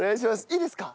いいですか？